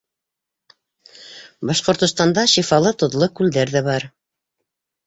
Башҡортостанда шифалы тоҙло күлдәр ҙә бар.